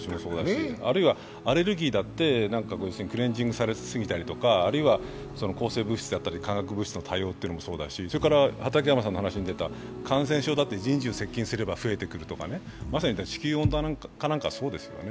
あるいはアレルギーだってクレンジングされすぎたりとかあるいは抗生物質であったり、化学物質の多用というのもそうだし、それから、感染症だって人獣が接近すれば増えてくるとかね、まさに地球温暖化なんかそうですね。